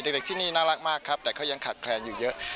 เด็กที่นี่น่ารักมากครับแต่เขายังขาดแคลนอยู่เยอะ